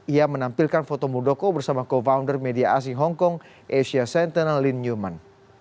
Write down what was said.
ia menampilkan foto murdoko bersama co founder media asing hong kong asia sentinel lynn newman